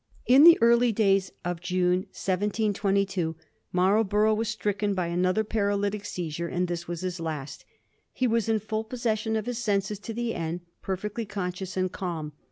In the early days of June 1722 Marlborough was stricken by another paralytic seizure, and this was his last. He was in full possession of his senses to the end, per fectly conscious and calm.